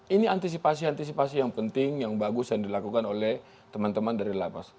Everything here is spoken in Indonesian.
ini antisipasi antisipasi yang penting yang bagus yang dilakukan oleh teman teman dari lapas